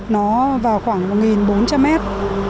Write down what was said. nó vào khoảng một bốn trăm linh mét